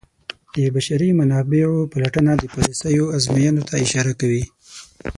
د بشري منابعو پلټنه د پالیسیو ازموینې ته اشاره کوي.